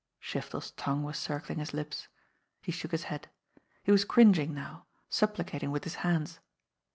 Shiftel's tongue was circling his lips. He shook his head. He was cringing now, supplicating with his hands.